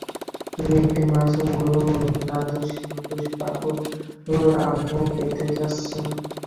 তুমি একটি মাসুম, গোলুমোলু, নাদুসনুদুস বাবুর আম্মু পেতে যাচ্ছ!